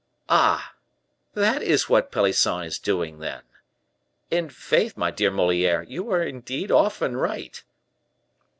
"Ah! that is what Pelisson is doing, then? I'faith, my dear Moliere, you are indeed often right."